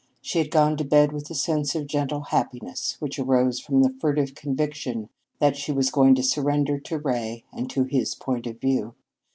She had gone to bed with a sense of gentle happiness, which arose from the furtive conviction that she was going to surrender to Ray and to his point of view.